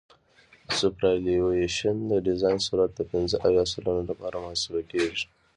سوپرایلیویشن د ډیزاین سرعت د پنځه اویا سلنه لپاره محاسبه کیږي